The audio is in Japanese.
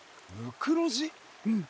うん。